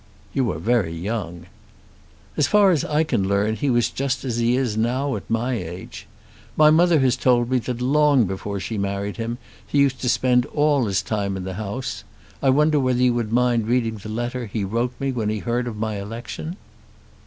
"You are very young." "As far as I can learn he was just as he is now at my age. My mother has told me that long before she married him he used to spend all his time in the House. I wonder whether you would mind reading the letter he wrote me when he heard of my election."